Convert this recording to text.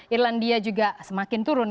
irlandia juga semakin tinggi